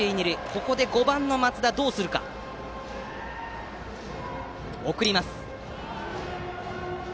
ここで５番の松田はどうするか。送ります。